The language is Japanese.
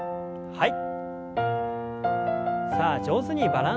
はい。